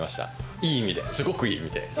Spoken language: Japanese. いい意味ですごくいい意味で。